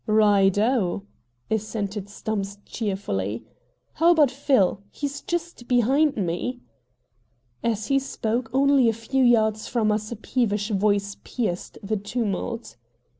"Right ho!" assented Stumps cheerfully. "How about Phil? He's just behind me." As he spoke, only a few yards from us a peevish voice pierced the tumult.